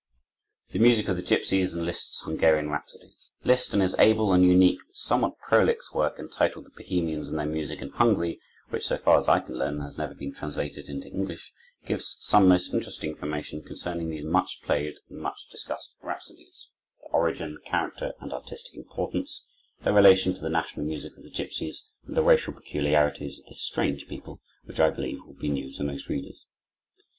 The Music of the Gipsies and Liszt's Hungarian Rhapsodies Liszt, in his able and unique but somewhat prolix work, entitled "The Bohemians and Their Music in Hungary," which, so far as I can learn, has never been translated into English, gives some most interesting information concerning these much played and much discussed Rhapsodies, their origin, character, and artistic importance, their relation to the national music of the gipsies and the racial peculiarities of this strange people, which I believe will be new to most readers.